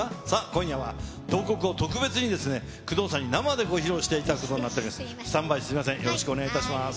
今夜は慟哭を特別に工藤さんに生でご披露していただくことになっております。